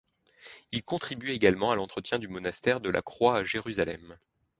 Il contribue également à l'entretien du Monastère de la Croix à Jérusalem.